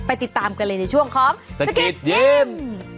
ติดตามกันเลยในช่วงของสกิดยิ้ม